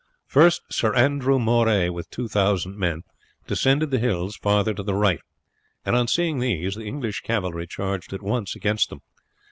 First Sir Andrew Moray, with two thousand men, descended the hills farther to the right, and on seeing these the English cavalry charged at once against them.